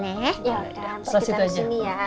ya udah kita langsungin ya